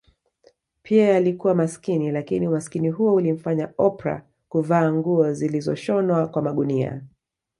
Pia alikuwa masikini lakini Umasikini huo ulimfanya Oprah kuvaa nguo zilizoshonwa kwa magunia